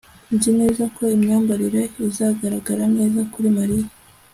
Nzi neza ko imyambarire izagaragara neza kuri Mariya